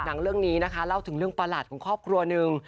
หนังเรื่องนี้นะคะเล่าถึงเรื่องประหลาดของครอบครัวหนึ่ง